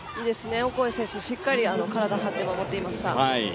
オコエ選手、しっかり体を張って守っていました。